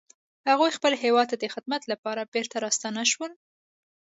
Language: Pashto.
هغوی خپل هیواد ته د خدمت لپاره بیرته راستانه شول